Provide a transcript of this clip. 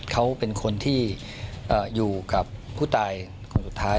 เขาเป็นคนที่อยู่กับผู้ตายคนสุดท้าย